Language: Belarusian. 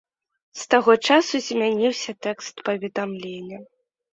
З таго часу змяніўся тэкст паведамлення.